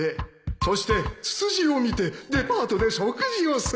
そしてツツジを見てデパートで食事をする